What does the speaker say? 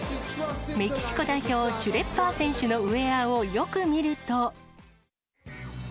メキシコ代表、シュレッパー選手のウエアをよく見ると。